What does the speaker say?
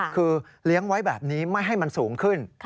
คือเลี้ยงไว้แบบนี้ไม่ให้มันสูงขึ้น